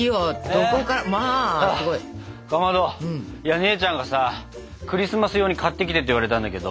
姉ちゃんがさクリスマス用に買ってきてって言われたんだけど。